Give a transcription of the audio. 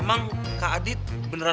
emang kak adit beneran